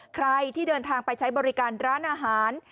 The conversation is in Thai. ใครที่เดินทางไปใช้บริการร้านอาหาร